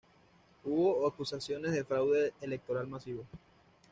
Hubo acusaciones de fraude electoral masivo.